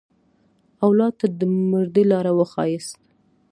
اولاد ته د مردۍ لاره وښیاست.